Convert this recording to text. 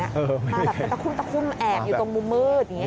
มาแบบตะคุ้มแอบอยู่ตรงมุมมืด